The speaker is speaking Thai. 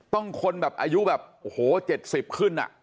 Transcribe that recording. ต้องคนแบบอายุแบบ๗๐ขึ้นอะ